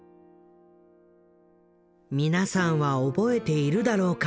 皆さんは覚えているだろうか？